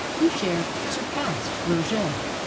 Bliicher surpassed Roguet.